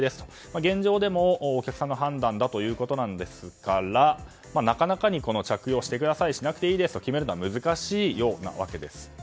現状でもお客さんの判断だということなんですからなかなかに着用してくださいしなくていいですと決めるのは難しいようなわけです。